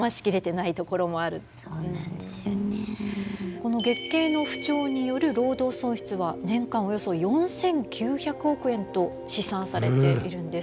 この月経の不調による労働損失は年間およそ４，９００億円と試算されているんです。